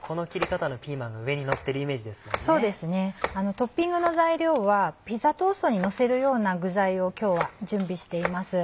トッピングの材料はピザトーストにのせるような具材を今日は準備しています。